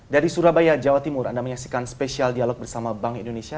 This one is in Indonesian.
dari surabaya jawa timur anda menyaksikan spesial dialog bersama bank indonesia